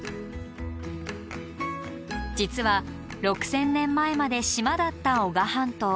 実は６，０００年前まで島だった男鹿半島。